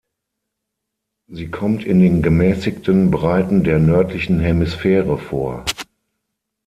Sie kommt in den gemäßigten Breiten der nördlichen Hemisphäre vor.